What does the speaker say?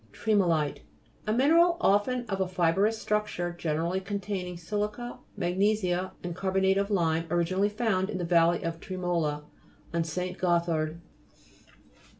TRE'MOLITE A mineral, often of a fibrous structure, generally contain ing si'lica, magnesia, and carbonate of lime, originally found in the valley of Tremola on St. Gothard.